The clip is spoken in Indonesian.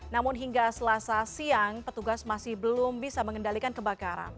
namun hingga selasa siang petugas masih belum bisa mengendalikan kebakaran